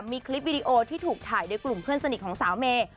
มีคลิปวิดีโอที่ถูกถ่ายโดยกลุ่มเพื่อนสนิทของสาวเมย์